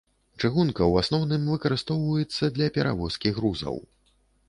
Чыгунка ў асноўным выкарыстоўваецца для перавозкі грузаў.